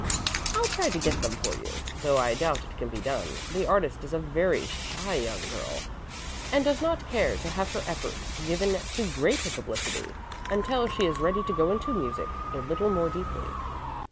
"I'll try to get them for you, though I doubt it can be done. The artist is a very shy young girl, and does not care to have her efforts given too great a publicity until she is ready to go into music a little more deeply.